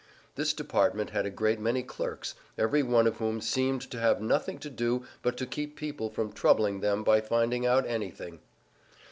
This department had a great many clerks, every one of whom seemed to have nothing to do but to keep people from troubling them by finding out anything.